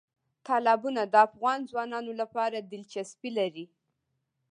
تالابونه د افغان ځوانانو لپاره دلچسپي لري.